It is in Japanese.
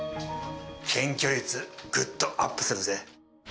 検挙率グッとアップするぜ。